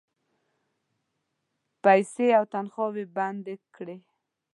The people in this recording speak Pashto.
پیسې او تنخواوې بندي کړې.